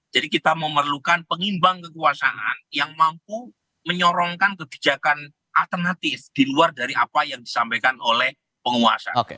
jadi kita memerlukan pengimbang kekuasaan yang mampu menyorongkan kebijakan alternatif di luar dari apa yang disampaikan oleh penguasa